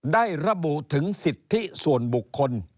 ได้ระบุถึงสิทธิส่วนบุคคล